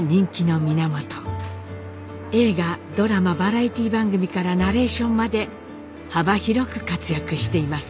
映画ドラマバラエティー番組からナレーションまで幅広く活躍しています。